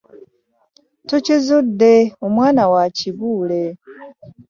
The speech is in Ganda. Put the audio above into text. Tukizudde omwana wa Kibuule.